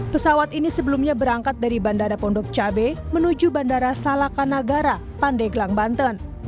pesawat ini sebelumnya berangkat dari bandara pondok cabe menuju bandara salakanagara pandeglang banten